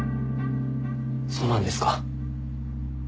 そうなんですか？